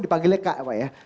dipanggilnya kak pak ya